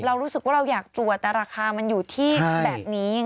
เรารู้สึกว่าเราอยากตรวจแต่ราคามันอยู่ที่แบบนี้